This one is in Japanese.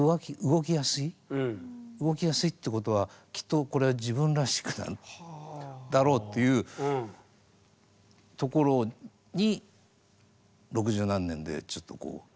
動きやすいってことはきっとこれは自分らしくなんだろうっていうところに六十何年でちょっとこう。